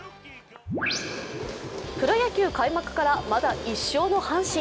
プロ野球開幕からまだ１勝の阪神。